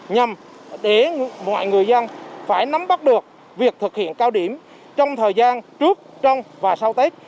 nhằm để mọi người dân phải nắm bắt được việc thực hiện cao điểm trong thời gian trước trong và sau tết